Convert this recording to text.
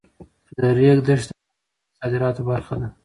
د ریګ دښتې د افغانستان د صادراتو برخه ده.